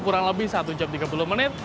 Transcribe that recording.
kurang lebih satu jam tiga puluh menit